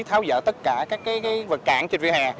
tháo dỡ tất cả các vật cản trên vỉa hè